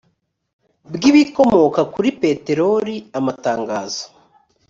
bw ibikomoka kuri peteroli amatangazo